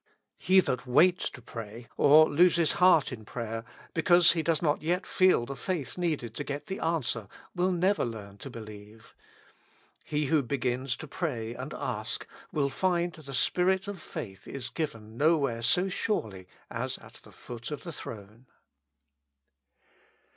He that waits to pray, or loses heart in prayer, because he does not yet feel the faith needed to get the answer, will never learn to believe. He who begins to pray and ask will find 'the Spirit of faith is given nowhere so surely as at the foot of the Throne.